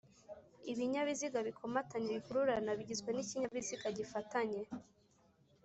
ibinyabiziga bikomatanye bikururana bigizwe n'ikinyabiziga gifatanye